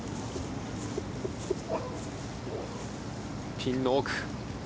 ピンの奥。